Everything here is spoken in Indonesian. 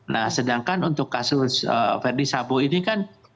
nah sedangkan untuk kasus verdi sabo ini kan